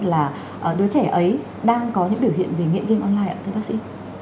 là đứa trẻ ấy đang có những biểu hiện về nghiện game online ạ thưa bác sĩ